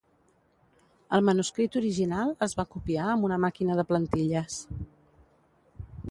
El manuscrit original es va copiar amb una màquina de plantilles.